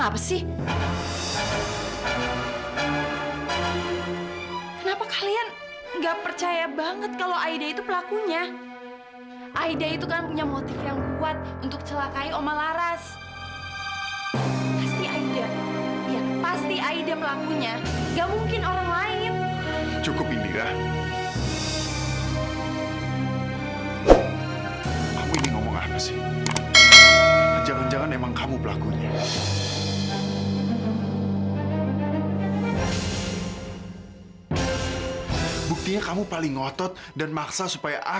pasti darah uma laras